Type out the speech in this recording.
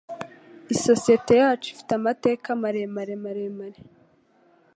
Isosiyete yacu ifite amateka maremare, maremare.